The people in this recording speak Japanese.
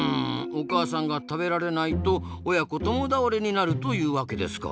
お母さんが食べられないと親子共倒れになるというわけですか。